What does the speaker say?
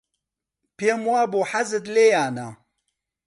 پێم وابوو حەزت لێیانە.